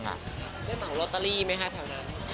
ได้เหมาโรตอรี่ไหมแถวนั้น